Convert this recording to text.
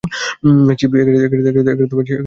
Chief, চলে গেছে।